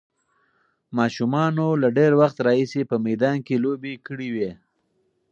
ماشومانو له ډېر وخت راهیسې په میدان کې لوبې کړې وې.